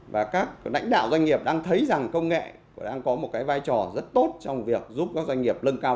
và các lãnh đạo doanh nghiệp đang thấy rằng công nghệ đang có một cái vai trò rất tốt trong việc giúp các doanh nghiệp nâng cao chất lượng dịch vụ